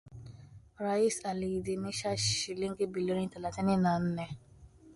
Rais aliidhinisha shilingi bilioni thelathini na nne